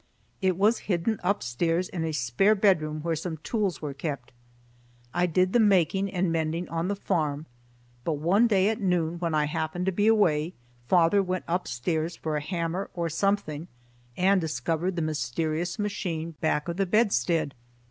It was hidden upstairs in a spare bedroom where some tools were kept. I did the making and mending on the farm, but one day at noon, when I happened to be away, father went upstairs for a hammer or something and discovered the mysterious machine back of the bedstead.